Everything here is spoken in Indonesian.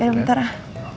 yaudah bentar ah